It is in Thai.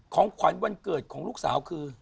ของขวัญวันเกิดของลูกสาวคือ